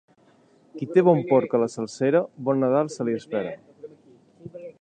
Qui té bon porc a la salsera, bon Nadal se li espera.